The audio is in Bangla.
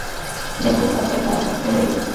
যে ভাল কাজ করে, তাহার পক্ষেও এইরূপ।